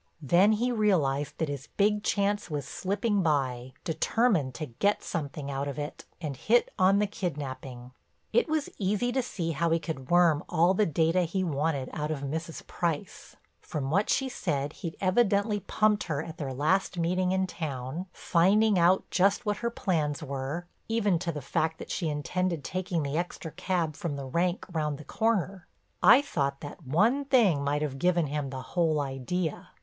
Then he realized that his big chance was slipping by, determined to get something out of it, and hit on the kidnaping. It was easy to see how he could worm all the data he wanted out of Mrs. Price. From what she said he'd evidently pumped her at their last meeting in town, finding out just what her plans were, even to the fact that she intended taking the extra cab from the rank round the corner. I thought that one thing might have given him the whole idea.